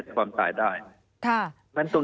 มีความรู้สึกว่ามีความรู้สึกว่า